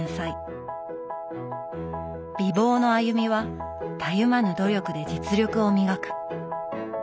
美貌の亜弓はたゆまぬ努力で実力を磨く。